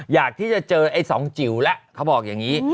อยากที่จะเจอไอ้สองจิ๋วแล้วเขาบอกอย่างนี้